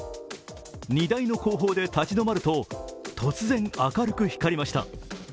荷台の後方で立ち止まると、突然明るく光りました。